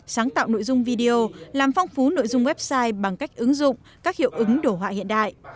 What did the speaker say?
sáng tạo nội dung video làm phong phú nội dung website bằng cách ứng dụng các hiệu ứng đổ họa hiện đại